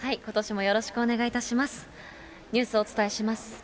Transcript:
ことしもよろしくお願いいたします。